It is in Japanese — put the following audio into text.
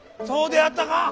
そうであったか。